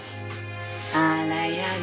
あらやだ。